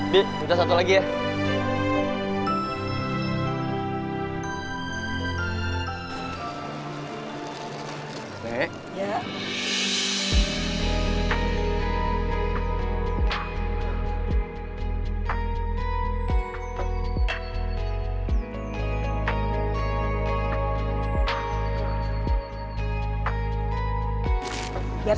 dit minta satu lagi ya